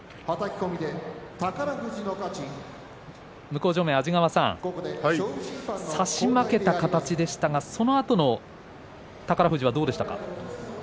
向正面、安治川さん差し負けた形でしたがそのあと宝富士はどうでしたか。